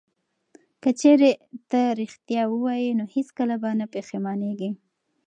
که چیرې ته ریښتیا ووایې نو هیڅکله به نه پښیمانیږې.